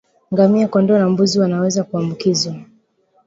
Ngamia kondoo na mbuzi wanaweza kuambukizwa